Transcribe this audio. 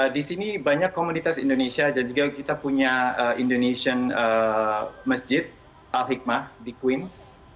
di sini banyak komunitas indonesia dan juga kita punya indonesian masjid al hikmah di queens